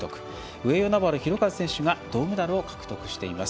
上与那原寛和選手が銅メダルを獲得しています。